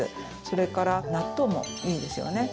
それから納豆もいいですよね。